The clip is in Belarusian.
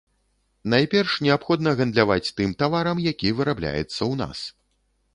Найперш неабходна гандляваць тым таварам, які вырабляецца ў нас.